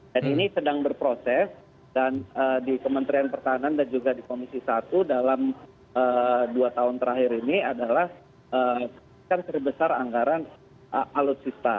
dan ini sedang berproses dan di kementerian pertahanan dan juga di komisi satu dalam dua tahun terakhir ini adalah seribu besar anggaran alutsista